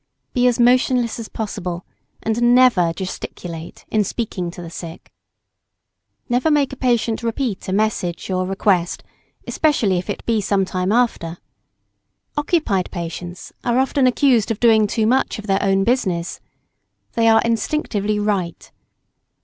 Be as motionless as possible, and never gesticulate in speaking to the sick. Never make a patient repeat a message or request, especially if it be some time after. Occupied patients are often accused of doing too much of their own business. They are instinctively right.